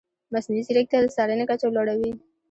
مصنوعي ځیرکتیا د څارنې کچه لوړه وي.